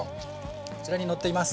こちらに載っています。